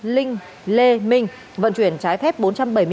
linh lê minh vận chuyển trái phép bốn trăm bảy mươi usd từ campuchia về việt nam